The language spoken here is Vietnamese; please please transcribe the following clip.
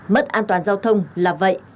mất an toàn giao thông là vậy